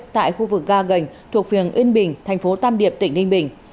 tại khu vực ga gành thuộc phường yên bình thành phố tam điệp tỉnh ninh bình